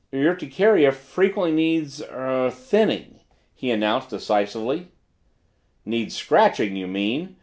"Urticaria frequently needs er thinning," he announced decisively. "Needs scratching you mean!"